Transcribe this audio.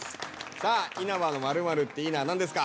さあ稲葉の「○○っていいなぁ」は何ですか？